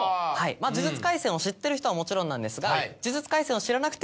まぁ『呪術廻戦』を知ってる人はもちろんなんですが。